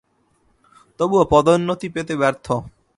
তবুও পদোন্নতি পেতে ব্যর্থ।